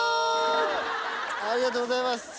ありがとうございます。